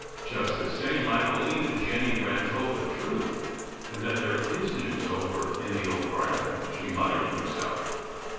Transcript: "Just the same, I believe that Jenny Wren told the truth and that there is news over in the Old Briar patch," he muttered to himself.